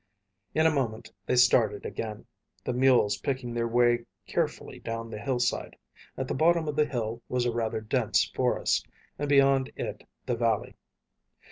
In a moment they started again, the mules picking their way carefully down the hillside. At the bottom of the hill was a rather dense forest, and beyond it the valley.